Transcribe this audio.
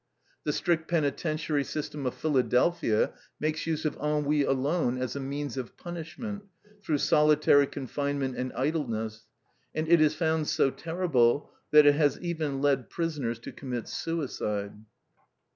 The strict penitentiary system of Philadelphia makes use of ennui alone as a means of punishment, through solitary confinement and idleness, and it is found so terrible that it has even led prisoners to commit suicide.